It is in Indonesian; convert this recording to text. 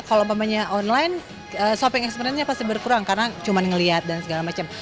kalau umpamanya online shopping experience nya pasti berkurang karena cuma ngeliat dan segala macam